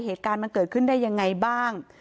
เหตุการณ์มันเกิดขึ้นได้ยังไงบ้าง